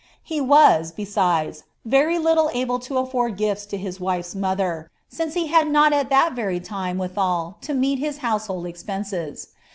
He was, besides, very little able to afford gif\s to his wife's moUier, since he had not at that very time wherewithal to meet his household expenses.